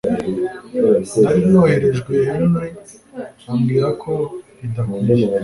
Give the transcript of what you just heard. nari nohererejwe Henry ambwira ko bidakwiye